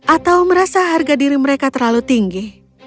atau merasa harga diri mereka terlalu tinggi